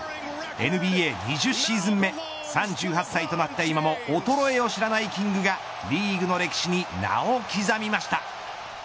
ＮＢＡ２０シーズン目３８歳となった今も衰えを知らないキングがリーグの歴史に名を刻みました。